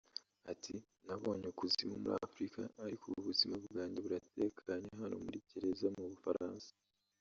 Ati “Nabonye ukuzimu muri Afurika ariko ubu ubuzima bwanjye buratekanye hano muri gereza mu Bufaransa”